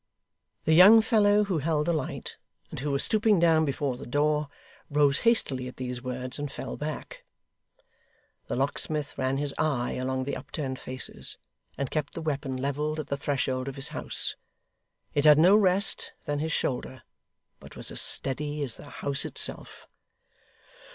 The young fellow who held the light, and who was stooping down before the door, rose hastily at these words, and fell back. The locksmith ran his eye along the upturned faces, and kept the weapon levelled at the threshold of his house. It had no other rest than his shoulder, but was as steady as the house itself.